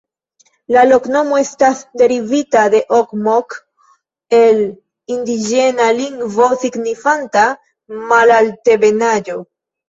La loknomo estas derivita de ogmok el indiĝena lingvo signifanta "malaltebenaĵo".